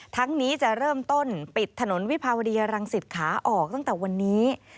ทั้งนี้จะเริ่มต้นปิดถนนวิภาวดีอรังสิตขาออกตั้งแต่วันนี้